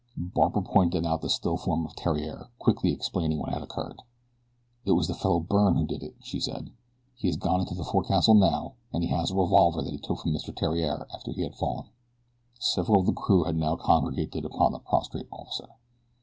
Barbara pointed out the still form of Theriere, quickly explaining what had occurred. "It was the fellow Byrne who did it," she said. "He has gone into the forecastle now, and he has a revolver that he took from Mr. Theriere after he had fallen." Several of the crew had now congregated about the prostrate officer.